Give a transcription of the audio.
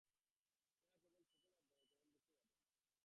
ইহা কেবল সুখবাদ নহে, কেবল দুঃখবাদও নহে।